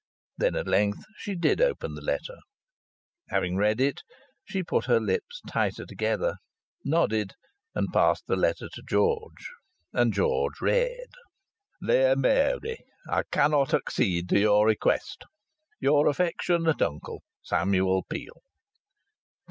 Then at length she did open the letter. Having read it, she put her lips tighter together, nodded, and passed the letter to George. And George read: "DEAR MARY, I cannot accede to your request. Your affectionate uncle, SAMUEL PEEL.